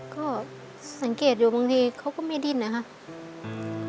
ก็สังเกตอยู่บางทีเขาก็ไม่ดิ้นนะครับ